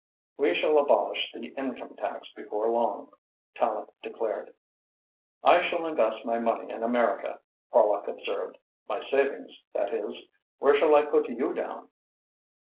"We shall abolish the income tax before long," Tallente declared. "I shall invest my money in America," Horlock observed, "my savings, that is. Where shall I put you down?"